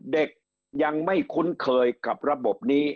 เด็กยังไม่คุ้นเคยกับระบบนี้